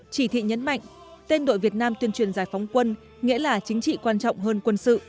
chỉ thị nhấn mạnh tên đội việt nam tuyên truyền giải phóng quân nghĩa là chính trị quan trọng hơn quân sự